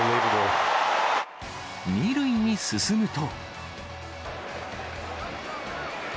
２塁に進むと。